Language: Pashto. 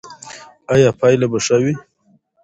ایا پایله به ښه وي؟